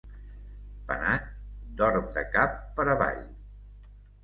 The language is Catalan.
Penat, dorm de cap per avall.